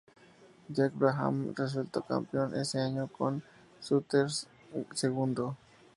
Jack Brabham resultó campeón ese año, con Surtees segundo.